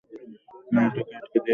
না, ওটাকে আটকে দিয়েছি আমি।